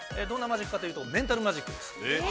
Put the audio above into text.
どんなマジックかというと、メンタルマジックです。